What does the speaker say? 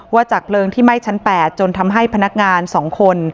จากเพลิงที่ไหม้ชั้น๘จนทำให้พนักงาน๒คน